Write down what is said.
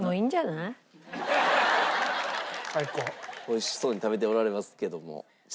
美味しそうに食べておられますけども。